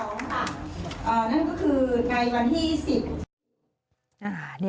นั่นก็คือในวันที่๑๐